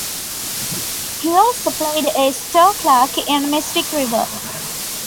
He also played a store clerk in "Mystic River".